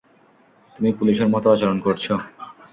তুমি পুলিশের মতো আচরণ করছ।